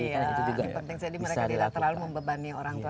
iya jadi mereka tidak terlalu membebani orang tua